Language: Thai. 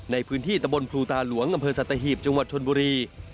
ในพื้นที่ตะบนภูตาหลวงอำเภอสัตหีบจังหวัดชนบุรี